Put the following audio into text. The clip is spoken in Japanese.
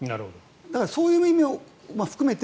そういう意味も含めて。